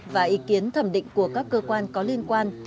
và ý kiến thẩm định của các cơ quan có liên quan